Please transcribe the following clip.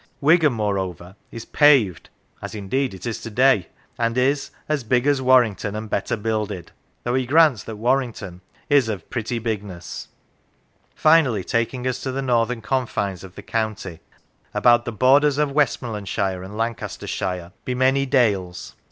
Wigan, moreover, is " paved " (as indeed it is to day !) and is " as big as Warrington and better builded," though he grants that Warrington is " of a pretty bigness." Finally, taking us to the northern confines of the county: " About the borders of Westmorlandshire and Lancastershire be many 78 In the Time of Leland dales.